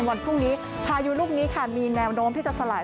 วันพรุ่งนี้พายุลูกนี้ค่ะมีแนวโน้มที่จะสลาย